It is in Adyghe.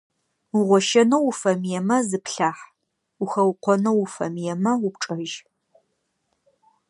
Угъощэнэу уфэмыемэ, зыплъахь, ухэукъонэу уфэмыемэ, упчӏэжь.